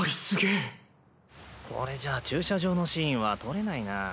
これじゃ駐車場のシーンは撮れないなぁ。